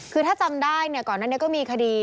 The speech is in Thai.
คือถ้าจำได้เนี่ยก่อนนั้นก็มีคดี